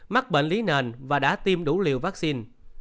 mắc bệnh lý nền và đã tiêm đủ liều vaccine